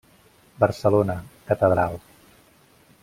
Barcelona, Catedral.